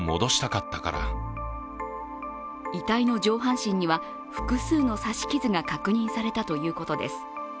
遺体の上半身には複数の刺し傷が確認されたということです。